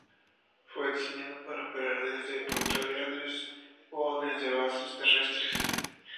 Fue diseñado para operar desde portaaviones o desde bases terrestres.